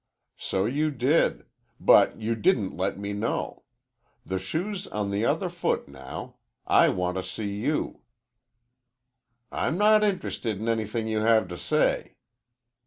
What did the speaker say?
"So you did. But you didn't let me know. The shoe's on the other foot now. I want to see you." "I'm not interested in anything you have to say."